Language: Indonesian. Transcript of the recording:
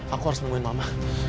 aku harus nungguin mama